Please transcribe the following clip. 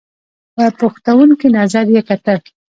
په پوښتونکي نظر یې کتل !